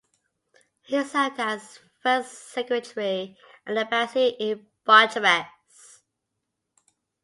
He served as First Secretary at the embassy in Bucharest.